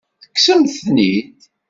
Tekksemt-ten-id?